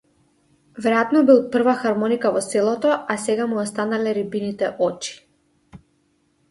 Веројатно бил прва хармоника во селото, а сега му останале рибините очи.